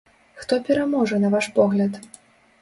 Хто пераможа, на ваш погляд?